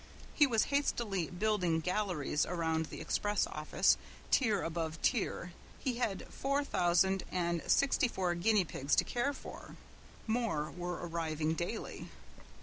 He was hastily building galleries around the express office, tier above tier. He had four thousand and sixty four guinea pigs to care for! More were arriving daily.